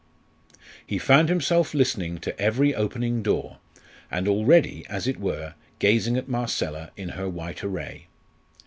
He found himself listening to every opening door, and already, as it were, gazing at Marcella in her white array.